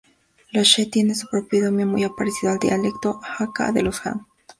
Los she tienen su propio idioma, muy parecido al dialecto hakka de los han.